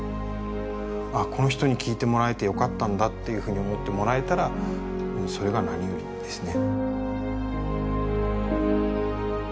あこの人に聞いてもらえてよかったんだっていうふうに思ってもらえたらそれが何よりですね。